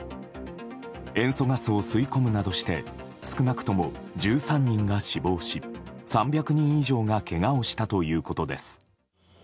塩素ガスを吸い込むなどして少なくとも１３人が死亡し３００人以上がけがをしたということです。